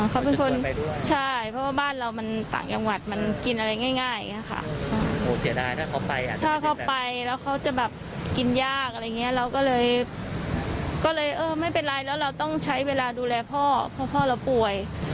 เขาเป็นคนใช่เพราะว่าบ้านเรามันต่างจังหวัดมันกินอะไรง่ายอย่างนี้ค่ะถ้าเขาไปแล้วเขาจะแบบกินยากอะไรอย่างเงี้ยเราก็เลยก็เลยเออไม่เป็นไรแล้วเราต้องใช้เวลาดูแลพ่อเพราะพ่อเราป่วย